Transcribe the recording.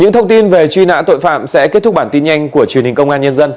những thông tin về truy nã tội phạm sẽ kết thúc bản tin nhanh của truyền hình công an nhân dân